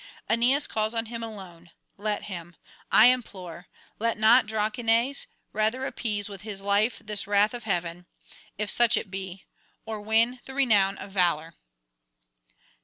Aeneas calls on him alone: let him, I implore: let not Drances rather appease with his [444 480]life this wrath of heaven, if such it be, or win the renown of valour.'